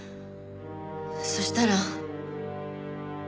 そしたら。